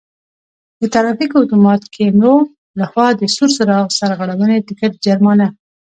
د ترافیکو آتومات کیمرو له خوا د سور څراغ سرغړونې ټکټ جرمانه: